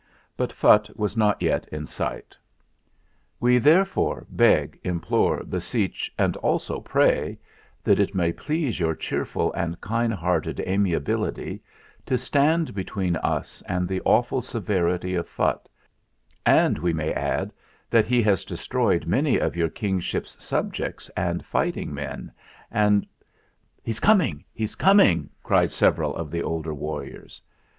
But Phutt was not yet in sight. "We therefore beg, implore, beseech, and also pray that it may please your cheerful and kind hearted Amiability to stand between us and the awful severity of Phutt, and we may add that he has destroyed many of your King ship's subjects and fighting men and " "He's coming, he's coming!" cried several of the older warriors.